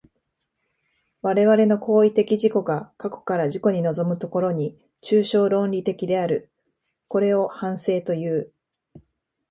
我々の行為的自己が過去から自己に臨む所に、抽象論理的である。これを反省という。